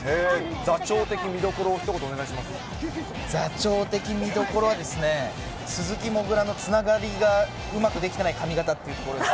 座長的見どころをひと言お願座長的見どころはですね、鈴木もぐらのつながりがうまくできてない髪形というところです。